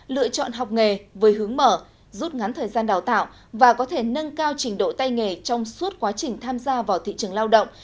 lựa chọn học nghề với hướng mở rút ngắn thời gian đào tạo và có thể nâng cao trình độ tay nghề trong suốt quá trình tham gia vào thị trường lao động